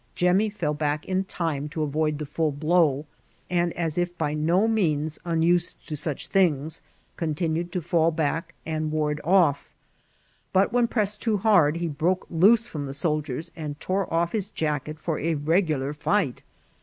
Jemmy fell back in time to avoid the fiill blow, and, as if by no means unused to such things, ccmtinued to fall back and ward off; but when pressed too hard, he broke loose firom the soldiers, and tore off his jacket for a reg ular fight.